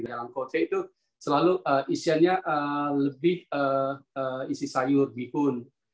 jalang kote itu selalu isiannya lebih isi sayuran